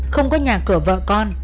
không có nhà cửa vợ con